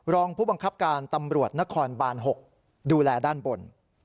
รองผู้บังคับการตำรวจนครบาน๖ดูแลด้านบน